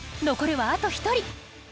残るはあと１人。